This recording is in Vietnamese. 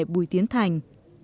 bùi tiến thành